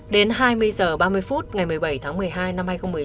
đến hai mươi h ba mươi phút ngày một mươi bảy tháng một mươi hai năm hai nghìn một mươi tám